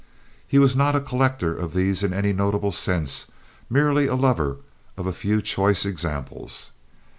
He was not a collector of these in any notable sense—merely a lover of a few choice examples.